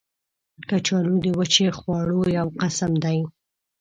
کچالو د وچې خواړو یو قسم دی